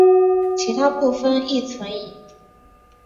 其他部分亦存疑。